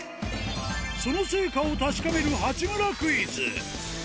その成果を確かめる八村クイズ。